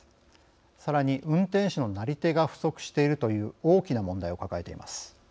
さらに、運転手のなり手が不足しているという大きな問題を抱えています。